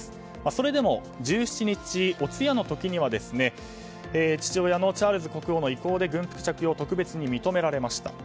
それでも１７日、お通夜の時には父親のチャールズ国王の意向で軍服着用を特別に認められました。